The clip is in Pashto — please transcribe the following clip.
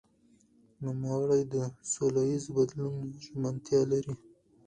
نوموړي د سولهییز بدلون ژمنتیا لري.